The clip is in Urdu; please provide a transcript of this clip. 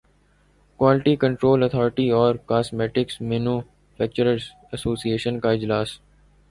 کوالٹی کنٹرول اتھارٹی اور cosmetics manufacturers association کا اجلاس